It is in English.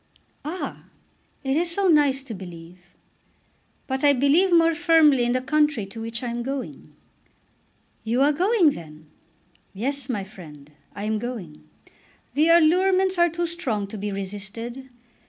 "Ah; it is so nice to believe." "But I believe more firmly in the country to which I am going." "You are going then?" "Yes, my friend; I am going. The allurements are too strong to be resisted.